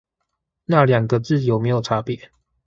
那兩個字有沒有差別